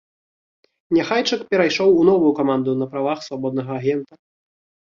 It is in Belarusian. Няхайчык перайшоў у новую каманду на правах свабоднага агента.